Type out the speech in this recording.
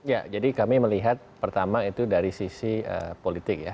ya jadi kami melihat pertama itu dari sisi politik ya